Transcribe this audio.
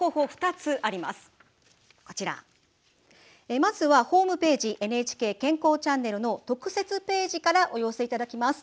まずはホームページ「ＮＨＫ健康チャンネル」の特設ページからお寄せいただきます。